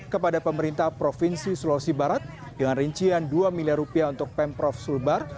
kepada pemerintah provinsi sulawesi barat dengan rincian dua miliar rupiah untuk pemprov sulbar